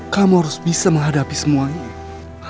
kamu harus bisa menghadapi semuanya